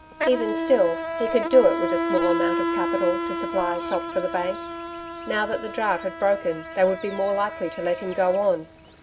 Even still, he could do it with a small amount of capital to supply a sop for the Bank.... Now that the Drought had broken they would be more likely to let him go on....